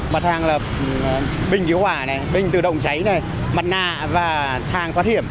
mặt hàng là bình cứu hỏa bình tự động cháy mặt nạ và thang thoát hiểm